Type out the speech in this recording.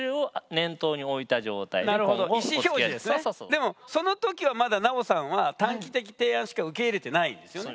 でもその時はまだ奈緒さんは短期的提案しか受け入れてないんですよね？